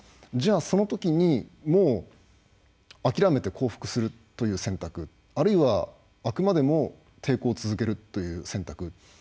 じゃあそのときにもう諦めて降伏するという選択あるいはあくまでも抵抗を続けるという選択。